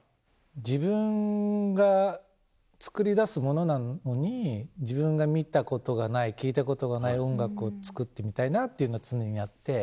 自分が作り出すものなのに自分が見たことがない聞いたことがない音楽を作ってみたいなっていうのは常にあって。